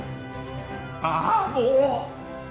ああもう！